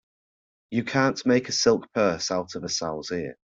You can't make a silk purse out of a sow's ear.